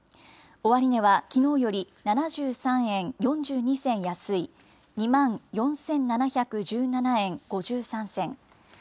終値はきのうより７３円４２銭安い、２万４７１７円５３銭。